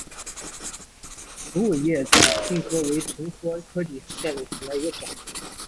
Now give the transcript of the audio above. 鼠尾草叶荆芥为唇形科荆芥属下的一个种。